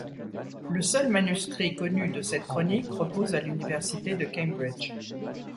Le seul manuscrit connu de cette chronique repose à l’université de Cambridge.